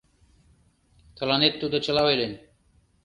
— Тыланет тудо чыла ойлен.